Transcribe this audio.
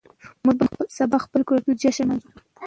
موږ به سبا خپل کلتوري جشن ولمانځو.